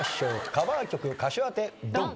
カバー曲歌手当てドン！